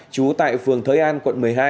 chú tại phường thới an quận một mươi hai